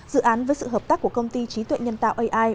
dự án với sự hợp tác của công ty trí tuệ nhân tạo ai